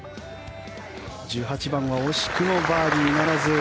１８番は惜しくもバーディーならず。